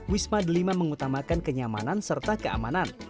wisma the lima mengutamakan kenyamanan serta keamanan